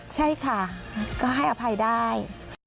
ใช่ค่ะก็ให้อภัยได้